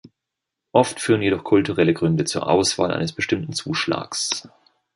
Oft führen jedoch kulturelle Gründe zur Auswahl eines bestimmten Zuschlags.